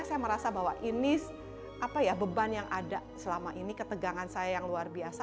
saya merasa bahwa ini beban yang ada selama ini ketegangan saya yang luar biasa